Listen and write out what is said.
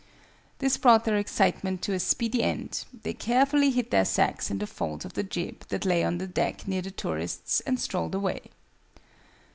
This brought their excitement to a speedy end: they carefully hid their sacks in the folds of the jib that lay on the deck near the tourists, and strolled away.